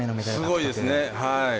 すごいですね。